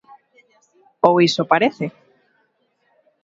Ou iso parece.